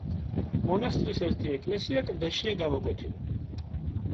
მონასტრის ერთი ეკლესია კლდეშია გამოკვეთილი.